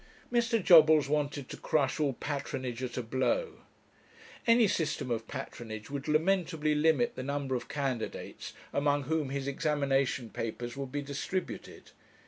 Mr. Jobbles wanted to crush all patronage at a blow; any system of patronage would lamentably limit the number of candidates among whom his examination papers would be distributed.